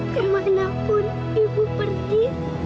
kemanapun ibu pergi